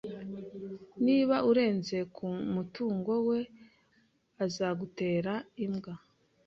Niba urenze ku mutungo we, azagutera imbwa